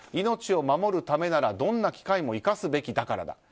命を守るためならどんな機会も生かすべきだからだ。